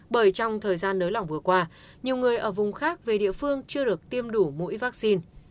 bởi trong thời gian nới lỏng vừa qua nhiều người ở vùng khác về địa phương chưa được tiêm đủ mũi vaccine